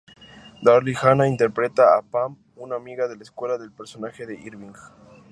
Darryl Hannah interpreta a Pam, una amiga de la escuela del personaje de Irving.